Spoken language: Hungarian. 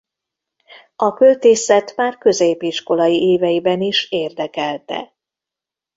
A költészet már középiskolai éveiben is érdekelte.